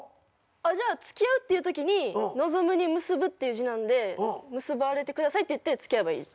じゃあ付き合うっていうときに望むに結ぶっていう字なんで結ばれてくださいって言って付き合えばいい。